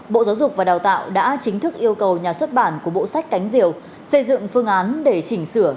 bộ giáo dục và đào tạo đã chính thức yêu cầu nhà xuất bản của bộ sách cánh diều xây dựng phương án để chỉnh sửa